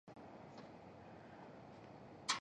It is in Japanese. ムルシア州の州都はムルシアである